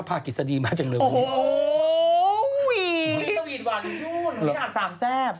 เพราะวันนี้หล่อนแต่งกันได้ยังเป็นสวย